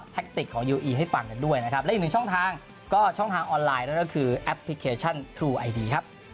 โปรดติดตามตอนต่อไป